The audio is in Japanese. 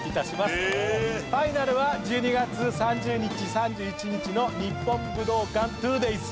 ファイナルは１２月３０日３１日の日本武道館２ｄａｙｓ。